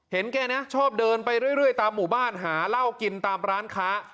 แกนะชอบเดินไปเรื่อยตามหมู่บ้านหาเหล้ากินตามร้านค้า